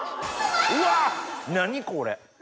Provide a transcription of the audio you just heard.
うわ何これ！